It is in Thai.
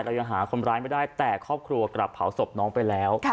ยังหาคนร้ายไม่ได้แต่ครอบครัวกลับเผาศพน้องไปแล้ว